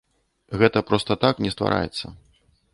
Гэта проста так не ствараецца.